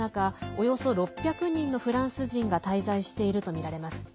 およそ６００人のフランス人が滞在しているとみられます。